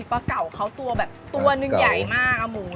ปลาเก่าเขาตัวแบบตัวหนึ่งใหญ่มากเอาหมู